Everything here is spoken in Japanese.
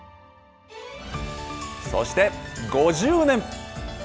そして５０年。